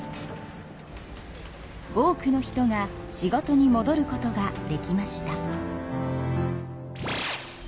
多くの人が仕事にもどることができました。